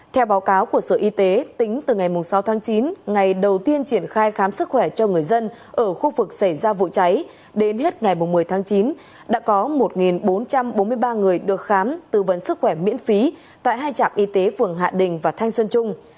theo báo cáo của sở y tế tính từ ngày sáu tháng chín ngày đầu tiên triển khai khám sức khỏe cho người dân ở khu vực xảy ra vụ cháy đến hết ngày một mươi tháng chín đã có một bốn trăm bốn mươi ba người được khám tư vấn sức khỏe miễn phí tại hai trạm y tế phường hạ đình và thanh xuân trung